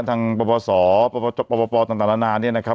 ทางประวัติศาสตร์ประวัติศาสตร์ประวัติศาสตร์ต่างละนานเนี่ยนะครับ